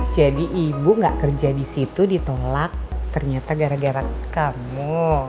jadi ibu gak kerja disitu ditolak ternyata gara gara kamu